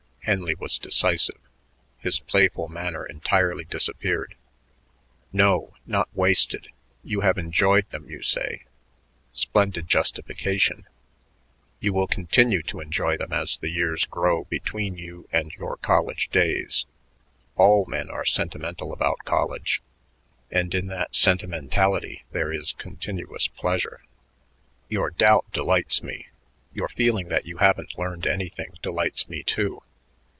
Henley was decisive. His playful manner entirely disappeared. "No, not wasted. You have enjoyed them, you say. Splendid justification. You will continue to enjoy them as the years grow between you and your college days. All men are sentimental about college, and in that sentimentality there is continuous pleasure." "Your doubt delights me. Your feeling that you haven't learned anything delights me, too.